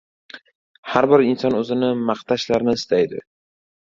Har bir inson o‘zini maqtashlarini istaydi.